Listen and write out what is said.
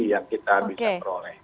yang kita bisa peroleh